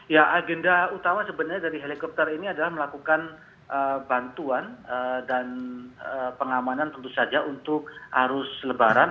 ya agenda utama sebenarnya dari helikopter ini adalah melakukan bantuan dan pengamanan tentu saja untuk arus lebaran